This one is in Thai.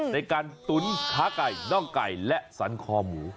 ในการตุ๋นข้าวไก่ด้องไก่และสันคอหมู